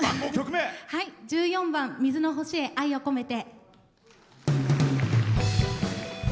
１４番「水の星へ愛をこめて」。